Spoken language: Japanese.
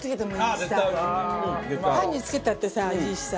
パンにつけたってさいいしさ。